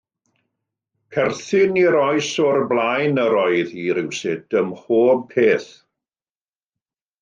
Perthyn i'r oes o'r blaen yr oedd hi, rywsut ym mhob peth.